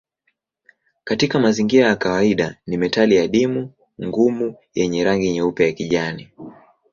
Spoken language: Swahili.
Katika mazingira ya kawaida ni metali adimu ngumu yenye rangi nyeupe ya kijivu.